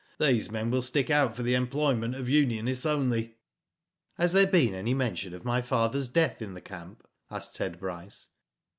These men will stick out for the employment of unionists only." " Has there been any mention of my father's death in the camp?" asked Ted Bryce.